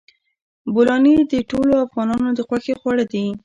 بولاني د ټولو افغانانو د خوښې خواړه دي.